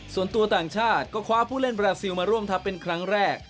ส่วนตัวต่างชาติก็คว้าผู้เล่นบราซิลมาร่วมทัพเป็นครั้งแรก